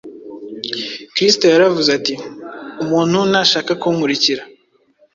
kristo yaravuze ati: “umuntu nashaka kunkurikira,